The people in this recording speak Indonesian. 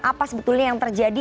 apa sebetulnya yang terjadi